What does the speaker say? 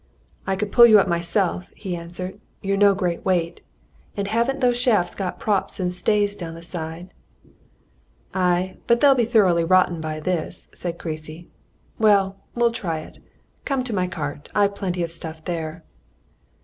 "I could pull you up myself," he answered. "You're no great weight. And haven't those shafts got props and stays down the side?" "Aye, but they'll be thoroughly rotten by this," said Creasy. "Well, we'll try it. Come to my cart I've plenty of stuff there."